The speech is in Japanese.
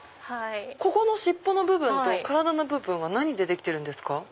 ここの尻尾の部分と体の部分は何でできてるんですか？